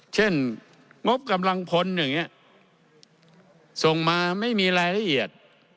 งบกำลังพลอย่างนี้ส่งมาไม่มีรายละเอียด